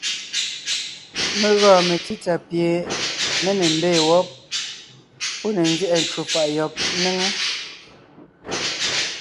Mé gɔɔn metsítsà pie mé ne mbee wɔ́b, pɔ́ ne nzẅɛʼɛ ncwò faʼ yɔb ńnéŋe,